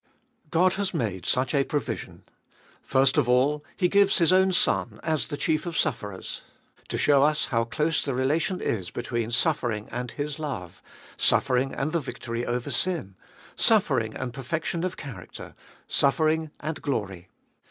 God has made such a provision. First of all, He gives His own Son, as the chief of sufferers, to show us how close the relation is between suffering and His love, suffering and the victory over sin, suffering and perfection of character, suffer ing and glory.